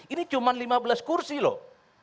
ini cuma lima belas kursi loh